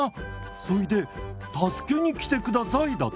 そいで助けにきてくださいだって」。